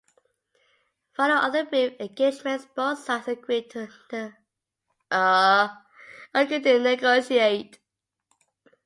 Following other brief engagements, both sides agreed to negotiate.